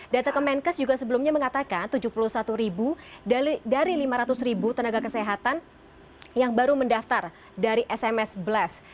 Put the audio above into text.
data kemenkes juga sebelumnya mengatakan tujuh puluh satu ribu dari lima ratus ribu tenaga kesehatan yang baru mendaftar dari sms blast